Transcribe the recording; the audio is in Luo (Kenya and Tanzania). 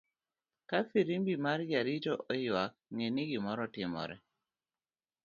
Kafirimbi mar jarito oywak ngeni gimoro timore.